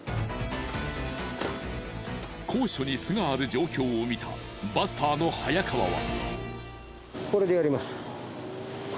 高所に巣がある状況を見たバスターの早川は。